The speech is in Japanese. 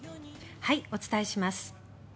お伝えします。